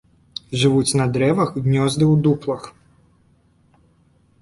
Жывуць на дрэвах, гнёзды ў дуплах.